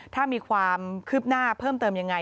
ถ้ามีความคืบหน้าเพิ่มเติมยังไง